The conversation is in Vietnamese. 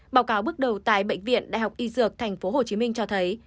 báo cáo bước đầu tại bệnh viện đại học y dược tp hcm cho thấy